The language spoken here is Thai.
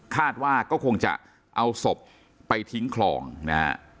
คาดว่าก็คงจะเอาศพไปทิ้งคลองนะฮะ